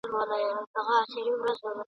چي په قسمت کی دي ازل سهار لیکلی نه دی !.